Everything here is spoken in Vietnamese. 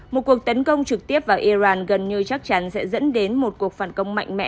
một cuộc tấn công trực tiếp vào iran gần như chắc chắn sẽ dẫn đến một cuộc phản công mạnh mẽ